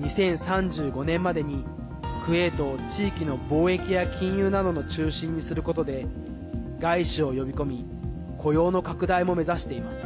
２０３５年までに、クウェートを地域の貿易や金融などの中心にすることで外資を呼び込み雇用の拡大も目指しています。